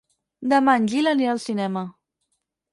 Demà en Gil anirà al cinema.